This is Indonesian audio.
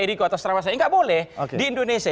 eriko atau sarawak ini nggak boleh di indonesia